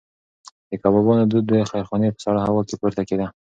د کبابونو دود د خیرخانې په سړه هوا کې پورته کېده.